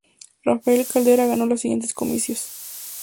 Rafael Caldera ganó los siguientes comicios.